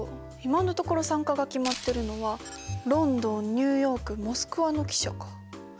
今のところ参加が決まってるのはロンドンニューヨークモスクワの記者か。